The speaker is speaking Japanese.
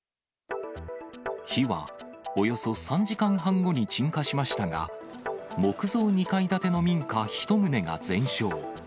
火はおよそ３時間半後に鎮火しましたが、木造２階建ての民家１棟が全焼。